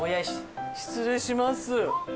失礼します。